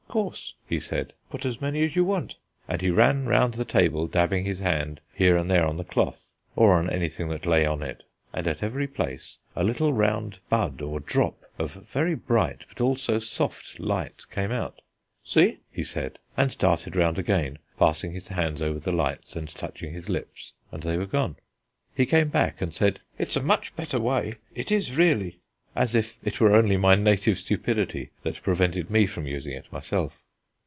"Course," he said, "put as many as you want;" and he ran round the table dabbing his hand here and there on the cloth, or on anything that lay on it, and at every place a little round bud or drop of very bright but also soft light came out. "See?" he said, and darted round again, passing his hands over the lights and touching his lips; and they were gone. He came back and said, "It's a much better way; it is really," as if it were only my native stupidity that prevented me from using it myself.